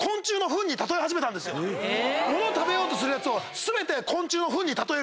食べようとするやつを。